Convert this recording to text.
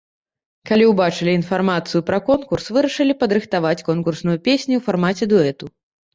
Калі ўбачылі інфармацыю пра конкурс, вырашылі падрыхтаваць конкурсную песню ў фармаце дуэту.